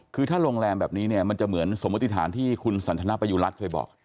คือถ้าโรงแรมแบบนี้เนี่ยมันจะเหมือนสมมติฐานที่คุณสันทนาประยุรัฐเคยบอก